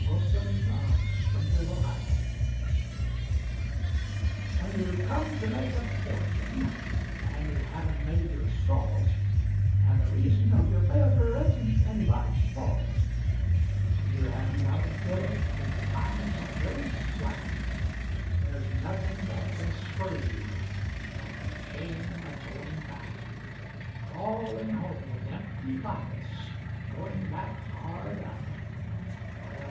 The Shame of Going Back When you've come to make a fortune and you haven't made your salt, And the reason of your failure isn't anybody's fault When you haven't got a billet, and the times are very slack, There is nothing that can spur you like the shame of going back; Crawling home with empty pockets, Going back hard up; Oh!